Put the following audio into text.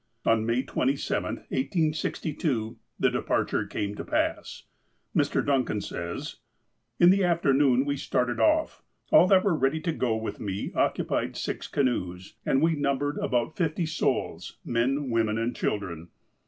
On May 27, 1862, the departure came to pass. Mr. Duncan says :" In the afternoon we started off. All that were ready to go with me occupied six canoes, and we numbered about fifty souls, men, women, and children.